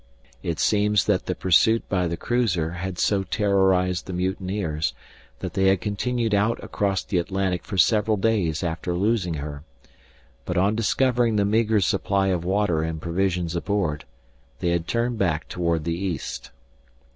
It seems that the pursuit by the cruiser had so terrorized the mutineers that they had continued out across the Atlantic for several days after losing her; but on discovering the meager supply of water and provisions aboard, they had turned back toward the east.